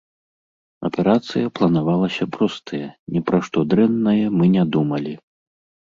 Аперацыя планавалася простая, ні пра што дрэннае мы не думалі.